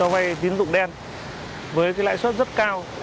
vay tín dụng đen với cái lãi suất rất cao